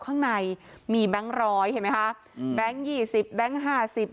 ข้างในมีแบงค์ร้อยเห็นไหมคะอืมแบงค์ยี่สิบแบงค์ห้าสิบ